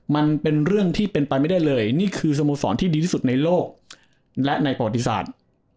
มันเป็นเรื่องที่เป็นไปไม่ได้เลยนี่คือสโมสรที่ดีที่สุดในโลกและในประวัติศาสตร์